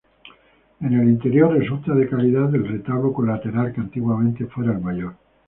En el interior resulta de calidad el retablo colateral, que antiguamente fuera el mayor.